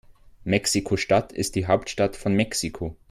Mexiko-Stadt ist die Hauptstadt von Mexiko.